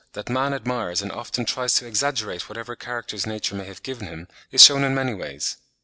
that man admires and often tries to exaggerate whatever characters nature may have given him, is shewn in many ways.